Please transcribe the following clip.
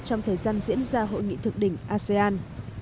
trong thời gian diễn ra hội nghị thượng đỉnh asean